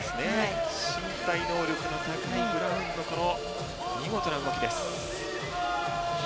身体能力の高いブラウンの見事な動きです。